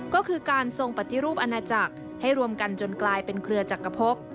ก็คือการทรงปฏิรูปอาณาจักรให้รวมกันจนกลายเป็นเครือจักรพบ